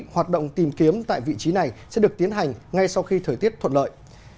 hoạt động tìm kiếm tại vị trí này sẽ được tiến hành ngay sau khi thời tiết thuận lợi